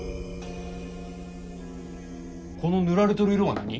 この塗られとる色は何？